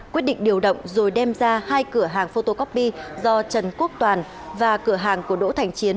quyết định điều động rồi đem ra hai cửa hàng photocopy do trần quốc toàn và cửa hàng của đỗ thành chiến